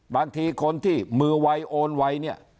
บางทีคนที่มือไวโอนไวเนี่ย